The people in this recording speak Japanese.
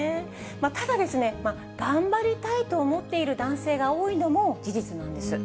ただですね、頑張りたいと思っている男性が多いのも事実なんです。